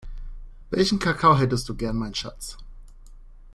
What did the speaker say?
Welchen Kakao hättest du gern mein Schatz?